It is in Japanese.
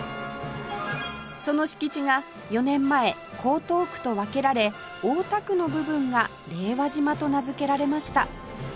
その敷地が４年前江東区と分けられ大田区の部分が令和島と名付けられました